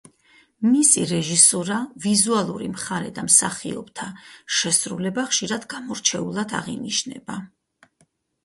მისი რეჟისურა, ვიზუალური მხარე და მსახიობთა შესრულება ხშირად გამორჩეულად აღინიშნება.